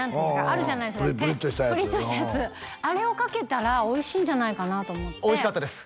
あるじゃないですかプリッとしたやつあれをかけたらおいしいんじゃないかなと思っておいしかったです！